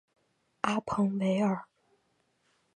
阿彭维尔。